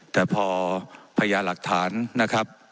แต่พอพญาหลักฐานนะครับ